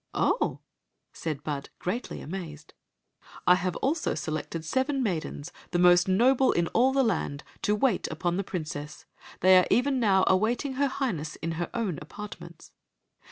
" Oh !" said Bud, greatly amazed "I have also selected seven maidens, the most noble in all the land, to wait upon the princess. They are even now awaiting her Highness in her own apartments."